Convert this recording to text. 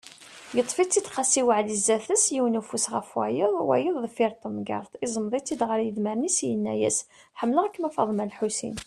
Yeṭṭef-itt-id Qasi waɛli zdat-s, yiwen ufus ɣef wayet, tayeḍ deffir n temgerḍt, iẓmeḍ-itt-id ar yidmaren-is, yenna-yas: Ḥemmleɣ-kem a Faḍma lḥusin.